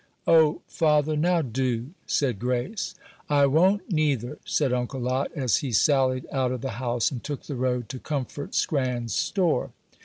"O, father, now do," said Grace. "I won't, neither," said Uncle Lot, as he sallied out of the house, and took the road to Comfort Scran's store.